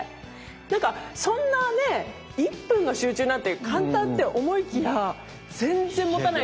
何かそんなね１分の集中なんて簡単って思いきや全然もたないですよね。